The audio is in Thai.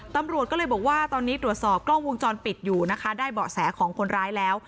ตำรวจก็เลยบอกว่าตอนนี้ตรวจสอบกล้องวงจรปิดอยู่นะคะได้เบาะแสของคนร้ายแล้ว